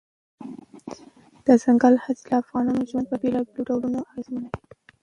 دځنګل حاصلات د افغانانو ژوند په بېلابېلو ډولونو اغېزمنوي.